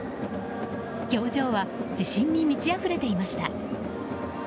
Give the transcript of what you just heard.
表情は自信に満ちあふれていました。